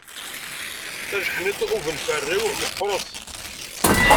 Tajeḥniḍ ubenferriw meqqeṛ-t.